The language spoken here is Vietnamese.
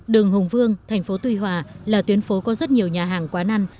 đường hùng vương thành phố tuy hòa là tuyến phố có rất nhiều nhà hàng quá năn